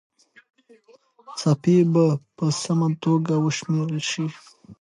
څپې به په سمه توګه وشمېرل سي.